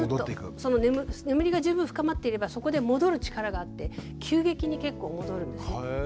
その眠りが十分深まっていればそこで戻る力があって急激に結構戻るんですね。